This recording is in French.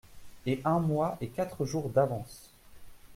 Et un mois et quatre jours d’avance !…